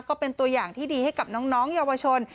ก็เป็นตัวอย่างที่ดีให้กับน้องเยาวชน